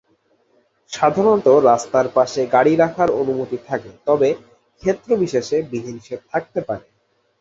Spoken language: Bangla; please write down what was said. সাধারণত রাস্তার পাশে গাড়ি রাখার অনুমতি থাকে, তবে ক্ষেত্রবিশেষে বিধিনিষেধ থাকতে পারে।